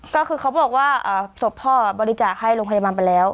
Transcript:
ก็คือเขาบอกว่าศพพ่อบริจาคให้โรงพยาบาลไปแล้ว